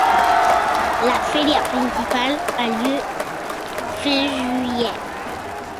La feria principale a lieu fin juillet.